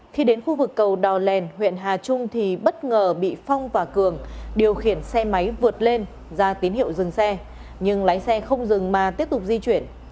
khi đến khu vực cầu đò lèn huyện hà trung thì bất ngờ bị phong và cường điều khiển xe máy vượt lên ra tín hiệu dừng xe nhưng lái xe không dừng mà tiếp tục di chuyển